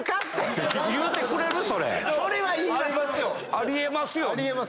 あり得ますよ！